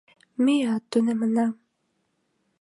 — Меат тунемынна.